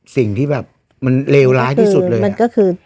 สิ่งที่ทำการล้างแขน